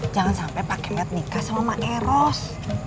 jangan sampe pak kemet nikah sama ma eros